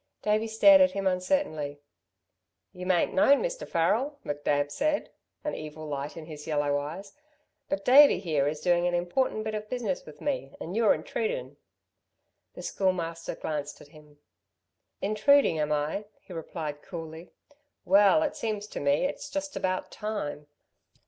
Davey stared at him uncertainly. "You mayn't know, Mr. Farrel," McNab said, an evil light in his yellow eyes, "but Davey, here, is doing an important bit of business with me and you're intrudin'." The Schoolmaster glanced at him. "Intruding, am I?" he replied coolly. "Well, it seems to me, it's just about time."